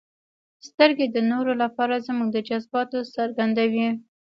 • سترګې د نورو لپاره زموږ د جذباتو څرګندوي.